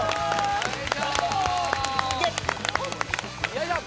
よいしょ！